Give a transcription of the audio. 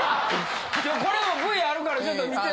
これもＶあるからちょっと見て。